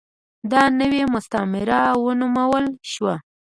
دا نوې مستعمره ونومول شوه.